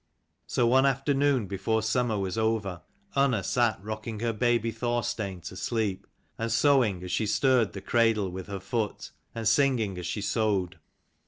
So one afternoon before summer was over, Unna sat rocking her baby Thorstein to sleep, and sewing as she stirred the cradle with her foot, and singing as she sewed.